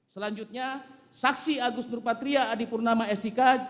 selanjutnya saksi agus nurpatria adipurnama sik